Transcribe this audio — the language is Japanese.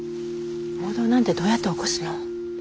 暴動なんてどうやって起こすの？